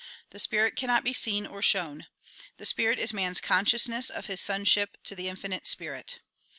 The spirit cannot be seen or shown. The spirit is man's consciousness of his sonship to the Infinite Spirit.